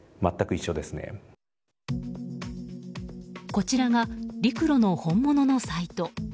こちらがリクロの本物のサイト。